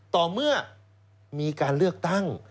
ต่อเมื่อมีการเลือกตั้ง